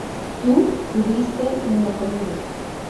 tú hubiste no comido